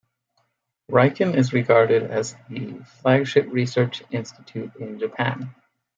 Riken is regarded as the flagship research institute in Japan.